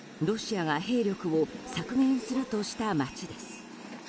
ロシアが兵力を削減するとした街です。